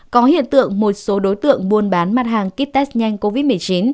có hiện tượng một số đối tượng buôn bán mặt hàng kit test nhanh covid một mươi chín